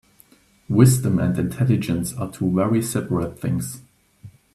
Wisdom and intelligence are two very seperate things.